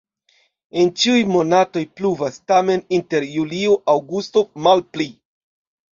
En ĉiuj monatoj pluvas, tamen inter julio-aŭgusto malpli.